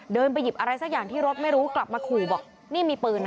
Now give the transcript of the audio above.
ไปหยิบอะไรสักอย่างที่รถไม่รู้กลับมาขู่บอกนี่มีปืนนะ